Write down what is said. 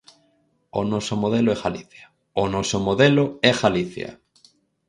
O noso modelo é Galicia, ¡o noso modelo é Galicia!